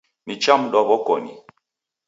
Nichamdwa w'okoni.